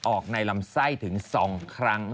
ออกในลำไส้ถึง๒ครั้ง